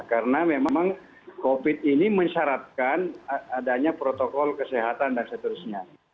karena memang covid ini mensyaratkan adanya protokol kesehatan dan seterusnya